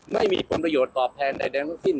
ไม่มีผลประโยชน์ตอบแทนใดทั้งสิ้น